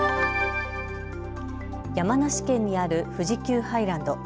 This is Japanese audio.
山梨県にある富士急ハイランド。